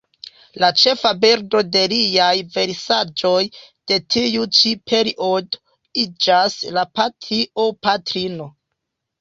La ĉefa bildo de liaj versaĵoj de tiu ĉi periodo iĝas la Patrio-patrino.